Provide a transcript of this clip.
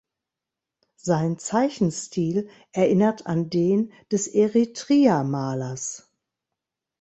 Sein Zeichenstil erinnert an den des Eretria-Malers.